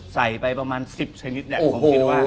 ใส่ไปประมาณ๑๐ชนิดแบบ